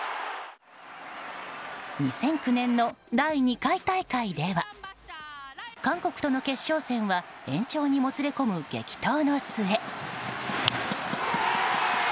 ２００９年の第２回大会では韓国との決勝戦は延長にもつれ込む激闘の末。